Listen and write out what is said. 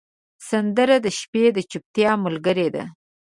سندره د شپې د چوپتیا ملګرې ده